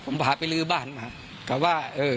ผมพาไปลื้อบ้านมากลับว่า